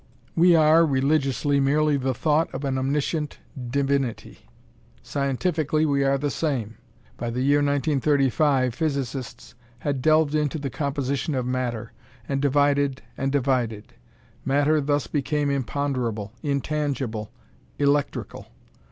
We are, religiously, merely the Thought of an Omniscient Divinity. Scientifically, we are the same: by the year 1935, physicists had delved into the composition of Matter, and divided and divided. Matter thus became imponderable, intangible electrical.